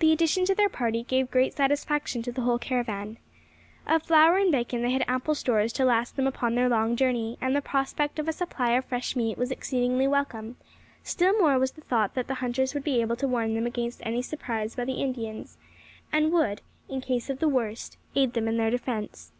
The addition to their party gave great satisfaction to the whole caravan. Of flour and bacon they had ample stores to last them upon their long journey, and the prospect of a supply of fresh meat was exceedingly welcome; still more was the thought that the hunters would be able to warn them against any surprise by the Indians, and would, in case of the worst, aid them in their defence.